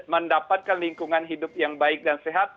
mendapatkan lingkungan hidup yang baik dan sehat